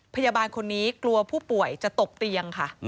พยาบาลคนนี้กลัวผู้ป่วยจะตกเตียงค่ะ